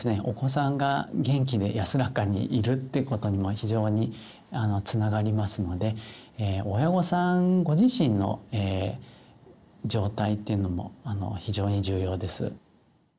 お子さんが元気で安らかにいるってことにも非常につながりますので親御さんご自身の状態っていうのも非常に重要です。